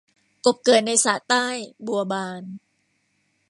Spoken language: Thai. กบเกิดในสระใต้ บัวบาน